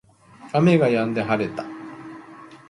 雨が止んで晴れた